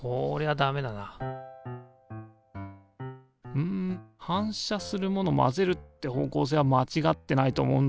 うん反射するもの混ぜるって方向性はまちがってないと思うんだけどな。